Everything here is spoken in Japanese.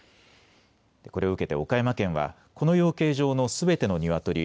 これを受けて岡山県はこの養鶏場のすべてのニワトリ